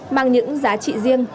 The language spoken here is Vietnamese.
bằng những giá trị riêng